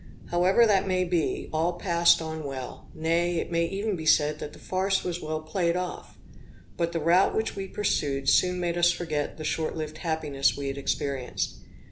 However that may be, all passed on well; nay, it may even be said that the farce was well played off. But the route which we pursued soon made us forget the short lived happiness we had experienced.